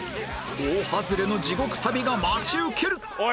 大ハズレの地獄旅が待ち受ける！